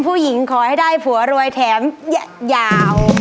ผู้หญิงคอยให้ได้ผัวรวยแถมยาว